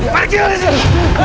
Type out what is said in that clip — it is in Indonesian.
pergi dari sini